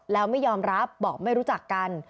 แล้วไม่ยอมรับบอกไม่รู้จักกัน